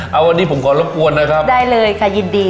เอาวันนี้ผมขอรบกวนนะครับได้เลยค่ะยินดี